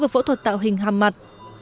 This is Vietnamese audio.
phẫu thuật tạo hình hàm mặt